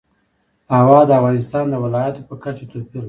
هوا د افغانستان د ولایاتو په کچه توپیر لري.